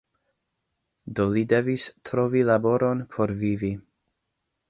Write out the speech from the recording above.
Do li devis trovi laboron por vivi.